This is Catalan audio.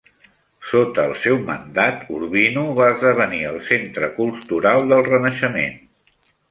Sota el seu mandat, Urbino va esdevenir el centre cultural del Renaixement.